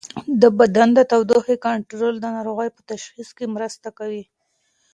د بدن د تودوخې کنټرول د ناروغۍ په تشخیص کې مرسته کوي.